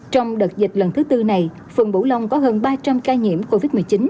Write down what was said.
trong đợt dịch lần thứ tư này phường bũ long có hơn ba trăm linh ca nhiễm covid một mươi chín